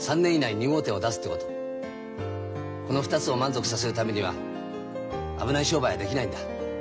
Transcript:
この２つを満足させるためには危ない商売はできないんだ。